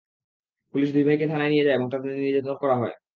Police দুই ভাইকে থানায় নিয়ে যায় এবং তাঁদের নির্যাতন করা হয়।